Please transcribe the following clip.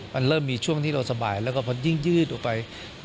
มันเริ่มมีช่วงที่เราสบายแล้วก็พอยิ่งยืดออกไป